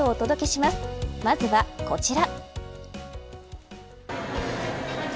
まずは、こちら。